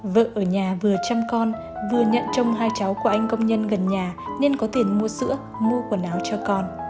vợ ở nhà vừa chăm con vừa nhận trong hai cháu của anh công nhân gần nhà nên có tiền mua sữa mua quần áo cho con